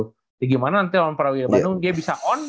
jadi gimana nanti orang prawira bandung dia bisa on